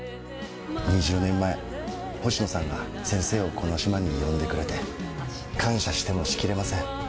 ２０年前、星野さんが先生をこの島に呼んでくれて感謝してもしきれません。